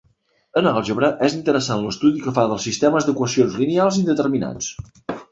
En àlgebra és interessant l'estudi que fa dels sistemes d'equacions lineals indeterminats.